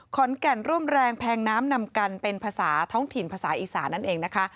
ขอนแก่นร่วมแรงแพงน้ำนำกันเป็นภาษาท้องถิ่นภาษาอีสานนั่นเองนะคะ